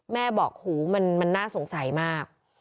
แม่บอกหูมันน่าสงสัยมาก